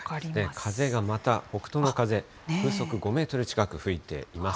風がまた北東の風、風速５メートル近く吹いています。